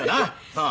そう。